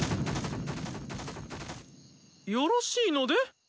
よろしいので？